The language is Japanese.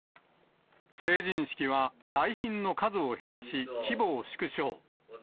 成人式は来賓の数を減らし、規模を縮小。